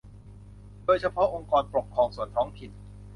โดยเฉพาะองค์กรปกครองส่วนท้องถิ่น